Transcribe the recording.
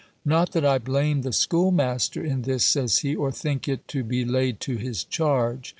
Not that I blame the schoolmaster in this," says he, "or think it to be laid to his charge.